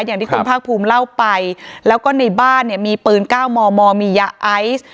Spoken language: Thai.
อย่างที่คุณภาคภูมิเล่าไปแล้วก็ในบ้านเนี่ยมีปืน๙มมมียาไอซ์